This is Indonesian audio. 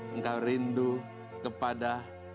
engkau rindu kepada